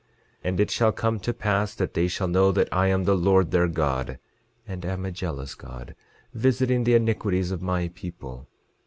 11:22 And it shall come to pass that they shall know that I am the Lord their God, and am a jealous God, visiting the iniquities of my people.